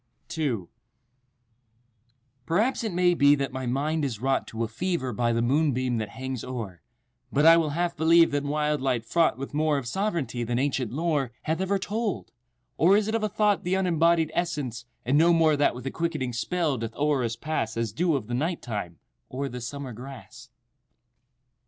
II Perhaps it may be that my mind is wrought To a fever* by the moonbeam that hangs o'er, But I will half believe that wild light fraught With more of sovereignty than ancient lore Hath ever told—or is it of a thought The unembodied essence, and no more That with a quickening spell doth o'er us pass As dew of the night time, o'er the summer grass?